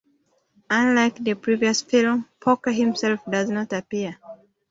Unlike the previous film, Porky himself does not appear.